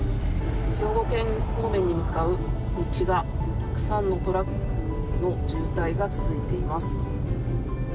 兵庫県方面に向かう道がたくさんのトラックの渋滞が続いています。